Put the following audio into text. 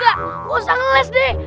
gak usah ngeles deh